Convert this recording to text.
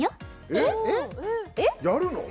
えっやるの！？